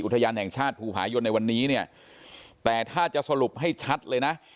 อุทยานแห่งชาติภูผายนในวันนี้เนี่ยแต่ถ้าจะสรุปให้ชัดเลยนะ